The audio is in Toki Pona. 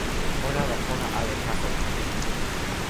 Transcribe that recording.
ona la pona ale taso li lon.